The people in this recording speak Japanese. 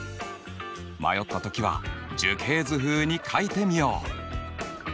迷った時は樹形図風に書いてみよう。